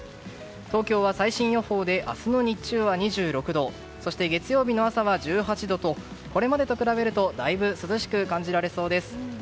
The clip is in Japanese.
東京は最新予報で明日の日中は２６度そして、月曜日の朝は１８度とこれまでと比べるとだいぶ涼しく感じられそうです。